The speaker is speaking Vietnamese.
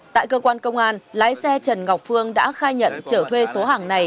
tại cơ quan công an lái xe trần ngọc phương đã khai nhận trở thuê số hàng này